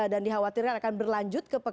dan dikhawatirkan akan berlanjut ke pekan